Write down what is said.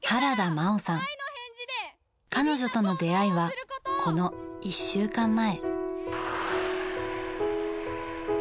彼女との出会いはこの１週間前。